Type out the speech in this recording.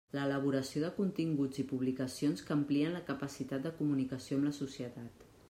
L'elaboració de continguts i publicacions que amplien la capacitat de comunicació amb la societat.